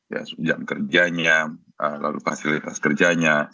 ya jam kerjanya lalu fasilitas kerjanya